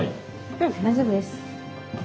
うん大丈夫です。